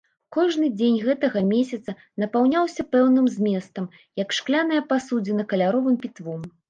Кожны дзень гэтага месяца напаўняўся пэўным зместам, як шкляная пасудзіна каляровым пітвом.